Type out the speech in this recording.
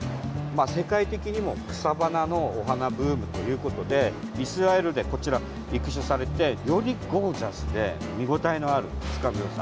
世界的にも草花のお花ブームということでイスラエルで、こちら育種されてよりゴージャスで見応えのあるスカビオサ。